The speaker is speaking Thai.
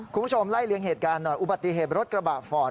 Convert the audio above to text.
คุณผู้ชมไล่เลี่ยงเหตุการณ์หน่อยอุบัติเหตุรถกระบะฟอร์ด